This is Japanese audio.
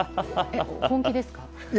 本気ですか？